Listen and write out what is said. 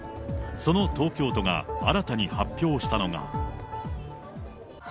その東京都が新たに発表したのが。